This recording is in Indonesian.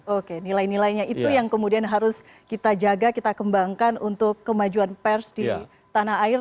oke nilai nilainya itu yang kemudian harus kita jaga kita kembangkan untuk kemajuan pers di tanah air